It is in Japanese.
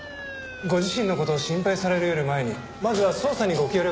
ご自身の事を心配されるより前にまずは捜査にご協力を。